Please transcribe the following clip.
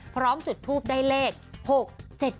พร้อมจุดทูปได้เลข๖๗๘โอ้โห